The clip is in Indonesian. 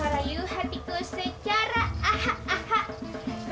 para but hatiku secara ah ah ah ah